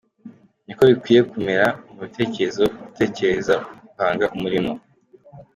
Niko bikwiye kumera mu bitekerezo, gutekereza guhanga umulimo.